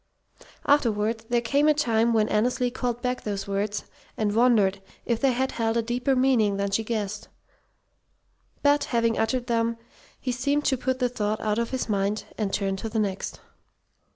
Afterward there came a time when Annesley called back those words and wondered if they had held a deeper meaning than she guessed. But, having uttered them, he seemed to put the thought out of his mind, and turn to the next.